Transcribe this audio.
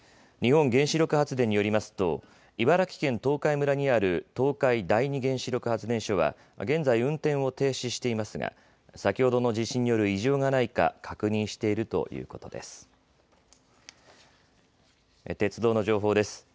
日本原子力発電によりますと茨城県東海村にある東海第二原子力発電所は現在、運転を停止していますが先ほどの地震による異常がないか確認しているということです。